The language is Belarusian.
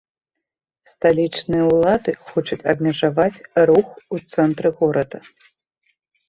Сталічныя ўлады хочуць абмежаваць рух у цэнтры горада.